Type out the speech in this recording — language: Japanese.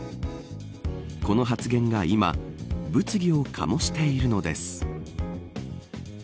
この発言が今物議を醸しているのです。